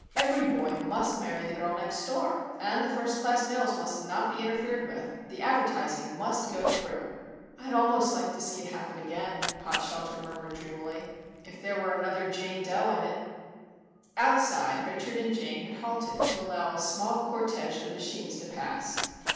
Every boy must marry the Girl Next Door! And the first class mails must not be interfered with! The advertising must go through!" "I'd almost like to see it happen again," Potshelter murmured dreamily, "if there were another Jane Dough in it." Outside, Richard and Jane had halted to allow a small cortege of machines to pass.